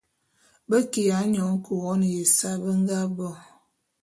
Be kiya nyoñe Couronne ya ésae be nga bo.